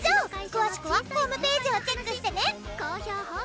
詳しくはホームページをチェックしてね！